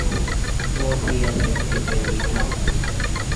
Both he and Misty nearly drown.